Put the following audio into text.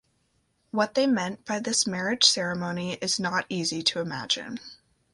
What they meant by this marriage ceremony is not easy to imagine.